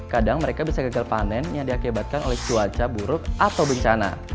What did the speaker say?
kadang mereka bisa gagal panen yang diakibatkan oleh cuaca buruk atau bencana